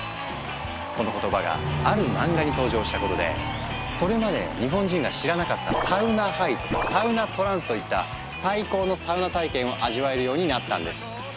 この言葉がある漫画に登場したことでそれまで日本人が知らなかった「サウナハイ」とか「サウナトランス」といった最高のサウナ体験を味わえるようになったんです。